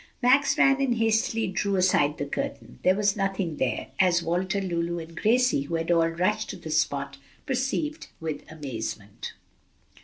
Max ran and hastily drew aside the curtain. There was nothing there, as Walter, Lulu and Gracie, who had all rushed to the spot, perceived with amazement.